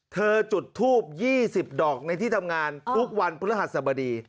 จุดทูบ๒๐ดอกในที่ทำงานทุกวันพฤหัสบดี